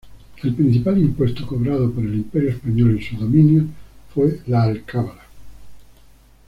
El principal impuesto cobrado por el Imperio Español en sus dominios fue la alcabala.